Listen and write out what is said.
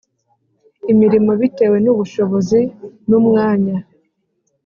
imirimo bitewe n’ubushobozi numwanya